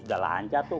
udah lancar tuh